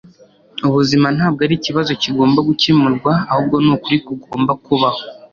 Ubuzima ntabwo ari ikibazo kigomba gukemurwa, ahubwo ni ukuri kugomba kubaho.”